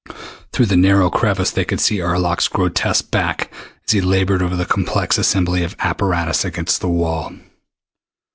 Through the narrow crevice they could see Arlok's grotesque back as he labored over the complex assembly of apparatus against the wall.